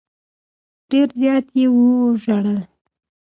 ډېر زیات یې وژړل.